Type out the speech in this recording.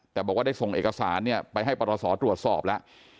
แต่บอกว่าได้ส่งเอกสารไปให้ปรศตรวจสอบแล้ว